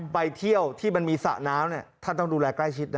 ไปเที่ยวที่มันมีสระน้ำท่านต้องดูแลใกล้ชิดนะ